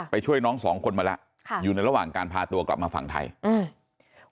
ช่วยน้องสองคนมาแล้วค่ะอยู่ในระหว่างการพาตัวกลับมาฝั่งไทยอืม